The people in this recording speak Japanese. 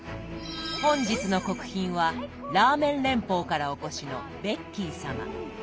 本日の国賓はラーメン連邦からお越しのベッキー様。